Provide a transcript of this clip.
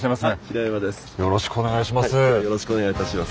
よろしくお願いします。